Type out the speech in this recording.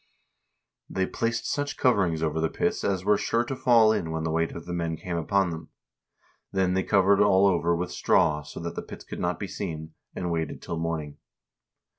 They placed such coverings over the pits as were sure to fall in when the weight of the men came upon them. Then they covered all over with straw, so that the pits could not be seen, and waited till morning.